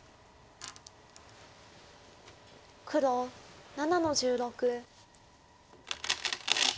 黒７の十六。